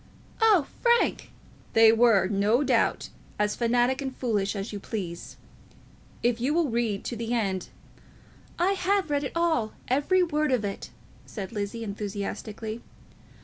"Oh, Frank!" "They were, no doubt, as fanatic and foolish as you please. If you will read to the end " "I have read it all, every word of it," said Lizzie, enthusiastically.